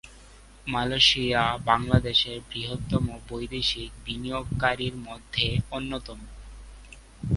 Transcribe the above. Malaysia বাংলাদেশের বৃহত্তম বৈদেশিক বিনিয়োগকারীদের মধ্যে অন্যতম।